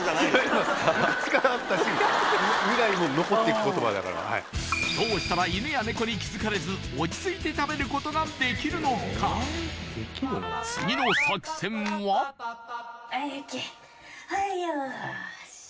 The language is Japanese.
未来も残っていく言葉だからどうしたら犬やネコに気づかれず落ち着いて食べることができるのかはいよーし